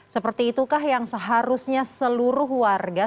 seperti itukah yang seharusnya seluruh warga